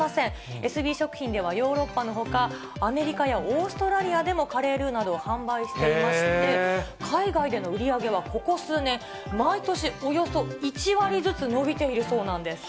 エスビー食品では、ヨーロッパのほか、アメリカやオーストラリアでもカレールーなどを販売していまして、海外での売り上げはここ数年、毎年、およそ１割ずつ伸びているそうなんです。